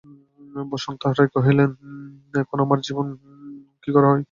বসন্ত রায় কহিলেন, এখন তোমার কী করা হয়?